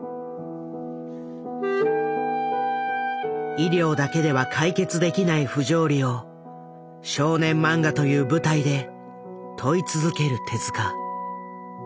医療だけでは解決できない不条理を少年漫画という舞台で問い続ける手。